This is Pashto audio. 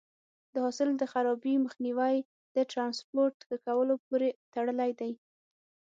د حاصل د خرابي مخنیوی د ټرانسپورټ ښه کولو پورې تړلی دی.